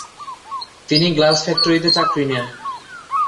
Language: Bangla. তিনি গ্লাস ফ্যাক্টরিতে চাকুরী নেন।